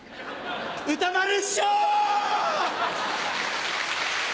歌丸師匠‼